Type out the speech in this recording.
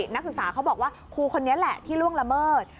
นักศึกษาเขาบอกว่าครูคนนี้แหละที่ล่วงละเมิด